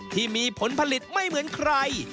ที่มีผลผลิตไม่เหมือนใคร